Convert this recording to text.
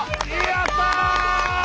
やった！